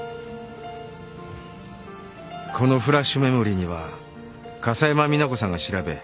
このフラッシュメモリーには笠山美奈子さんが調べ